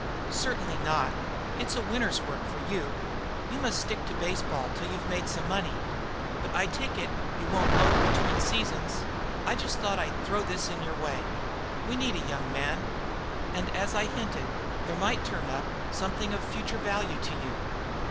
"Certainly not. It's a winter s work for you. You must stick to baseball till you've made some money. But I take it you won't loaf between seasons. I just thought I'd throw this in your way. We need a young man. And as I hinted, there might turn up something of future value to you."